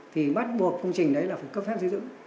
thì bắt buộc công trình đấy là phải cấp phép xây dựng